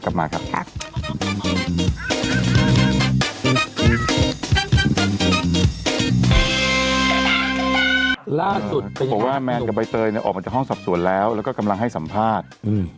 ผมว่าแมนกับใบเตยออกมาจากห้องสอบสวนแล้วแล้วก็กำลังให้สัมภาษณ์